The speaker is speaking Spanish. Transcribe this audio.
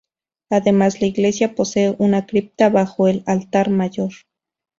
Además la iglesia posee una cripta bajo el altar mayor.